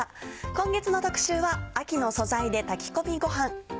今月の特集は「秋の素材で炊き込みごはん」。